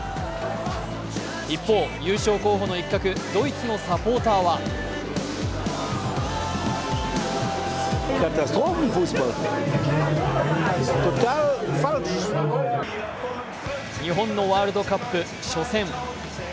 一方、優勝候補の一角ドイツのサポーターは日本のワールドカップ初戦。